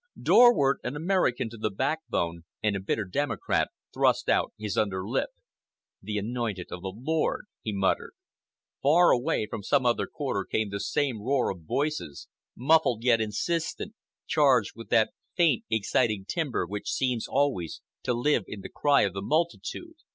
Dorward, an American to the backbone and a bitter democrat, thrust out his under lip. "The Anointed of the Lord!" he muttered. Far away from some other quarter came the same roar of voices, muffled yet insistent, charged with that faint, exciting timbre which seems always to live in the cry of the multitude.